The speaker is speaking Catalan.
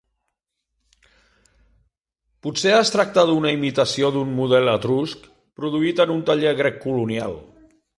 Potser es tracta d’una imitació d’un model etrusc produït en un taller grec colonial.